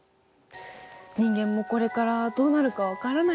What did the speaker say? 人間もこれからどうなるか分からないね。